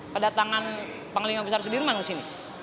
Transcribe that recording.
kedatangan panglima besar sudirman kesini